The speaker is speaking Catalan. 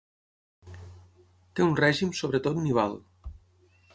Té un règim sobretot nival.